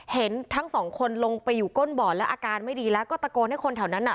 เห็นทั้งสองคนลงไปอยู่ก้นบ่อแล้วอาการไม่ดีแล้วก็ตะโกนให้คนแถวนั้นน่ะ